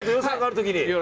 また予算がある時に。